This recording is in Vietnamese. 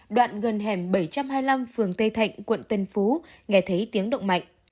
đoạn gần hẻm bảy trăm hai mươi năm phường tây thạnh quận tân phú nghe thấy tiếng động mạnh